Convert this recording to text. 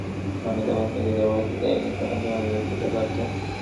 আমি তোমাকে আগে দৌড়াতে দেইনি কারণ তোমার বিপদ হতে পারতো।